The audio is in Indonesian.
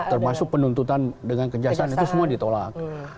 termasuk penuntutan dengan kejaksaan itu semua ditolak